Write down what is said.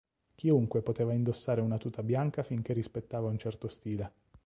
Chiunque poteva indossare una tuta bianca finché rispettava un certo stile.